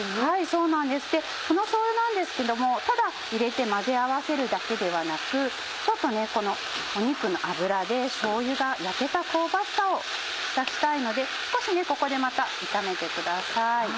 そうなんですこのしょうゆなんですけどもただ入れて混ぜ合わせるだけではなくちょっとこの肉の脂でしょうゆが焼けた香ばしさを出したいので少しここでまた炒めてください。